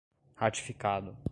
ratificado